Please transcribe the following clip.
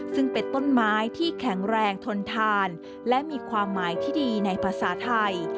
ซึ่งเป็นต้นไม้ที่แข็งแรงทนทานและมีความหมายที่ดีในภาษาไทย